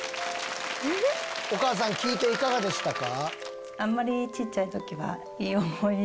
お母さん聞いていかがでしたか？